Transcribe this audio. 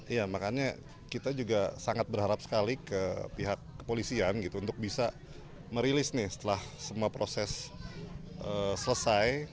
iya makanya kita juga sangat berharap sekali ke pihak kepolisian gitu untuk bisa merilis nih setelah semua proses selesai